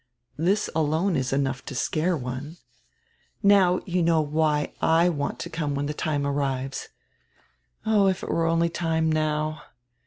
This alone is enough to scare one. Now you know why /want to come when the time arrives. Oh, if it were only time now!